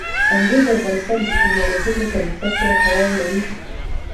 انګور د افغانستان د تکنالوژۍ له پرمختګ سره تړاو لري.